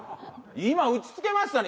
今打ちつけましたね